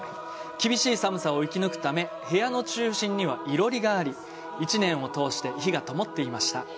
厳しい寒さを生き抜くため部屋の中心には囲炉裏があり一年を通して火がともっていました。